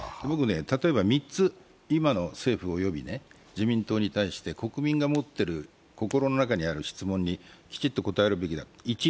例えば３つ、今の政府及び自民党に対して国民が持っている、心の中にある質問にきちっと答えるべきだ。